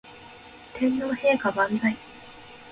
天皇陛下万歳